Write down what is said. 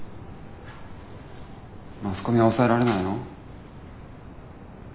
マスコミはおさえられないの？